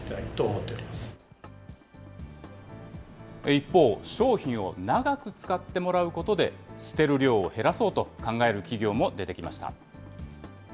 一方、商品を長く使ってもらうことで、捨てる量を減らそうと考える企業も出てきました。